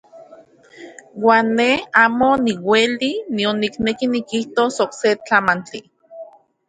Uan ne amo niueli nion nikneki nikijtos okse tlamantli.